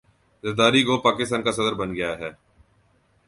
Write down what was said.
ذرداری گو پاکستان کا صدر بن گیا ہے